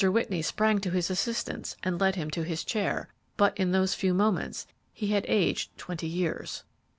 Whitney sprang to his assistance and led him to his chair, but in those few moments he had aged twenty years.